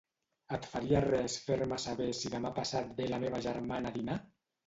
Et faria res fer-me saber si demà passat ve la meva germana a dinar?